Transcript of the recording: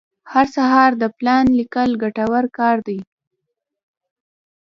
هر سهار د پلان لیکل ګټور کار دی.